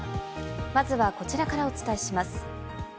まずはこちらからお伝えします。